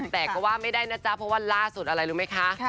แต่ก็ว่าไม่ได้นะจ๊ะเพราะว่าล่าสุดอะไรรู้ไหมคะ